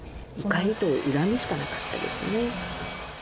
怒りと恨みしかなかったですね。